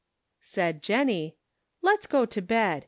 " Said Jennie :" Let's "go to bed.